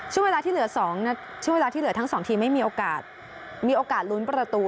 ช่วงเวลาที่เหลือทั้ง๒ทีไม่มีโอกาสลุนประตู